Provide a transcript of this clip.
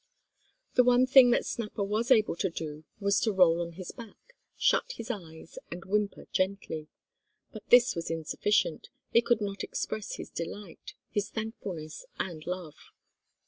The one only thing that Snapper was able to do was to roll on his back, shut his eyes, and whimper gently. But this was insufficient, it could not express his delight, his thankfulness and love.